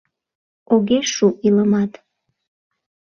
Огеш шу илымат...